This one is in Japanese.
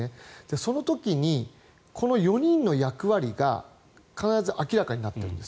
その時にこの４人の役割が必ず明らかになってくるんです。